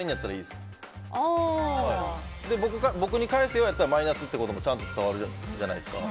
で、僕に返すようやったらマイナスってこともちゃんと伝わるじゃないですか。